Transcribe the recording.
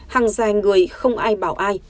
hàng dài người không ai bảo ai